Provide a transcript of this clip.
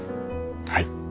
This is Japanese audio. はい。